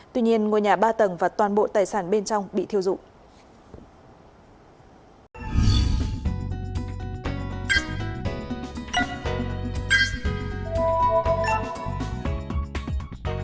tuy nhiên ngôi nhà ba tầng và toàn bộ tài sản bên trong bị thiêu dụi